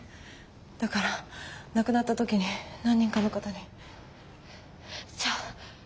だから亡くなった時に何人かの方に。えじゃあ。